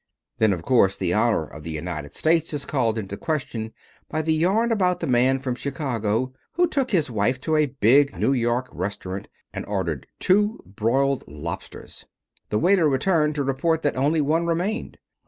Then, of course, the honor of the United States is called into question by the yarn about the man from Chicago who took his wife to a big New York restaurant and ordered two broiled lobsters. The waiter returned to report that only one remained.